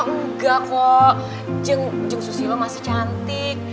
enggak kok jung susilo masih cantik